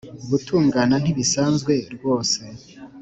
gutungana ntibisanzwe rwose